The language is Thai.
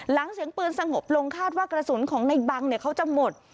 เสียงปืนสงบลงคาดว่ากระสุนของในบังเขาจะหมด